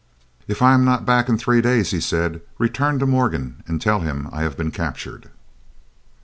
"If I am not back in three days," said he, "return to Morgan, and tell him I have been captured."